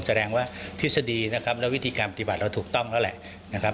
แสดงว่าทฤษฎีนะครับและวิธีการปฏิบัติเราถูกต้องแล้วแหละนะครับ